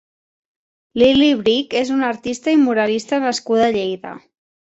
Lily Brick és una artista i muralista nascuda a Lleida.